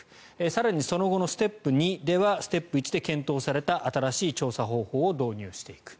更にその後のステップ２ではステップ１で検討された新しい調査方法を導入していく。